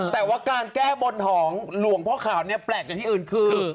แต่ว่าการแก้บนของหลวงพ่อขาวเนี่ยแปลกจากที่อื่นคือ